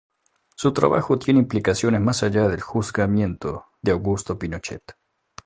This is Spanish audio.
Su trabajo tiene implicaciones más allá del juzgamiento de Augusto Pinochet.